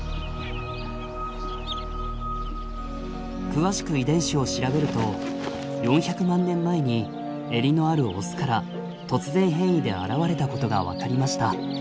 詳しく遺伝子を調べると４００万年前にエリのあるオスから突然変異で現れたことが分かりました。